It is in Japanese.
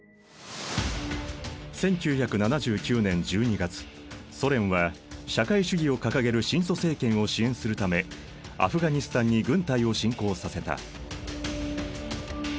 １９７９年１２月ソ連は社会主義を掲げる親ソ政権を支援するためアフガニスタンに軍隊を侵攻させた。